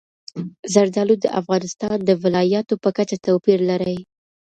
زردالو د افغانستان د ولایاتو په کچه توپیر لري.